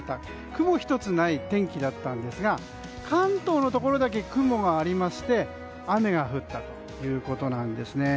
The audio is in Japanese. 雲一つない天気だったんですが関東のところだけ雲がありまして雨が降ったということなんですね。